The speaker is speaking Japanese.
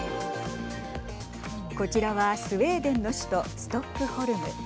こちらはスウェーデンの首都ストックホルム。